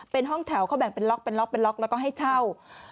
เป็นห้องแถวเขาแบ่งเป็นล็อกเป็นล็อกเป็นล็อกแล้วก็ให้เช่า